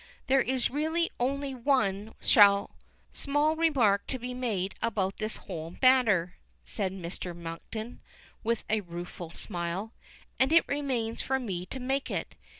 There is really only one small remark to be made about this whole matter," says Mr. Monkton, with a rueful smile, "and it remains for me to make it.